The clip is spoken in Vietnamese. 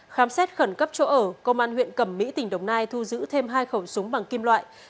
khám xét khẩn cấp chỗ ở công an huyện cẩm mỹ tỉnh đồng nai thu giữ thêm hai khẩu súng bằng kim loại